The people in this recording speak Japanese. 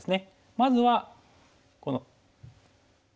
まずはこの。